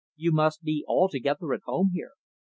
You must be altogether at home here.